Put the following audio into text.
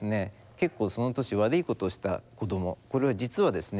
結構その年悪いことした子ども実はですね